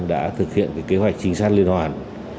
đã thực hiện kế hoạch trinh sát liên hoàn